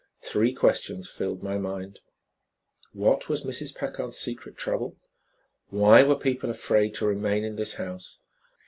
Three questions filled my mind. What was Mrs. Packard's secret trouble? Why were people afraid to remain in this house?